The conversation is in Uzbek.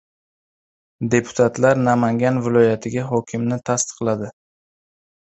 Deputatlar Namangan viloyatiga hokimni tasdiqladi